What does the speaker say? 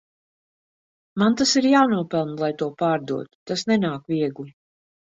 Man tas ir jānopelna lai to pārdotu, tas nenāk viegli.